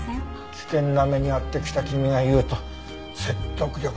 危険な目に遭ってきた君が言うと説得力ゼロだけど。